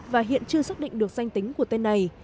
và hiện chưa xác định được danh tính của tên này